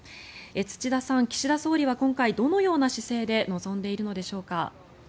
土田さん、岸田総理は今回どのような姿勢で臨んでいるのでしょうか？